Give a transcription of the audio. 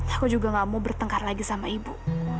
aku juga gak mau bertengkar lagi sama ibu